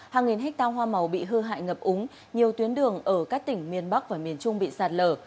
hàng nghìn hectare hoa màu bị hư hại ngập úng nhiều tuyến đường ở các tỉnh miền bắc và miền trung bị sạt lở